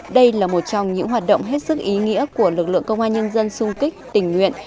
đây là một trong những hoạt động hết sức ý nghĩa của lực lượng công an nhân dân xung kích tình nguyện